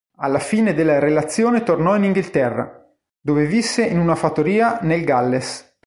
Alla fine della relazione tornò in Inghilterra, dove visse in una fattoria nel Galles.